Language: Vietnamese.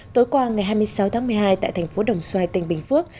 tối qua ngày hai mươi sáu tháng một mươi hai tại thành phố đồng xoài tỉnh bình phước